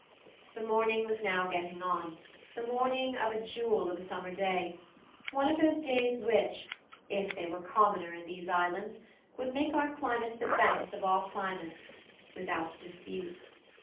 The morning was now getting on, the morning of a jewel of a summer day; one of those days which, if they were commoner in these islands, would make our climate the best of all climates, without dispute.